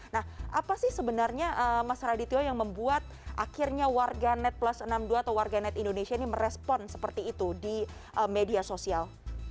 nah apa sih sebenarnya mas radityo yang membuat akhirnya warganet plus enam puluh dua atau warga net indonesia ini merespon seperti itu di media sosial